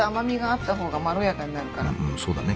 うんそうだね。